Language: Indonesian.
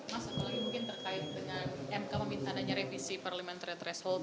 mas apalagi mungkin terkait dengan mk meminta adanya revisi parliamentary threshold